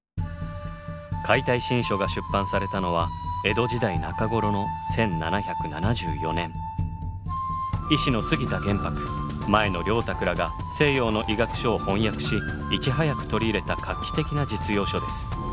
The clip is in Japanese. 「解体新書」が出版されたのは医師の杉田玄白前野良沢らが西洋の医学書を翻訳しいち早く取り入れた画期的な実用書です。